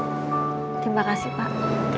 terima kasih pak